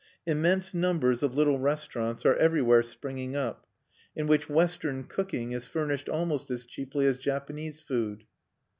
Immense numbers of little restaurants are everywhere springing up, in which "Western Cooking" is furnished almost as cheaply as Japanese food.